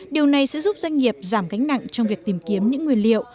điều này sẽ giúp doanh nghiệp giảm gánh nặng trong việc tìm kiếm những nguyên liệu